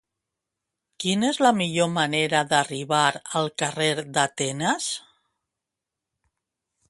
Quina és la millor manera d'arribar al carrer d'Atenes?